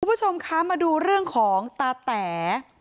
คุณผู้ชมคะมาดูเรื่องของตาแต๋